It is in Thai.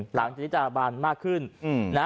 หลังจนที่จะบานมากขึ้น